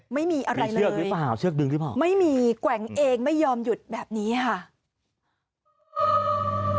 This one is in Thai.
ไม่มีอะไรเลยไม่มีแกว่งเองไม่ยอมหยุดแบบนี้ค่ะมีเชือกหรือเปล่าเชือกดึงรึเปล่า